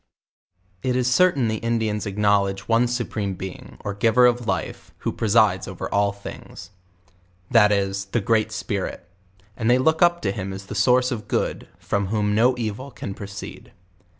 It is certain the Indian,! acknowledge one Supreme Being, or Giver of Life, who presides over all thiags, That is, the Great Spirit; and they look up to him as the source of good, from whom no evil can proceed.